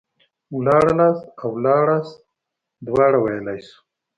ولاړلاست او ولاړاست دواړه ويلاى سو.